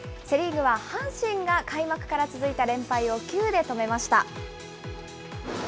セ・リーグは阪神が開幕から続いた連敗を９で止めました。